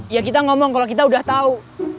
ya kita ngomong kalau kita udah tahu